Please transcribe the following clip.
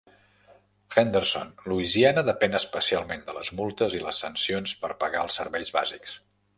Henderson, Louisiana depèn especialment de les multes i les sancions per pagar els serveis bàsics.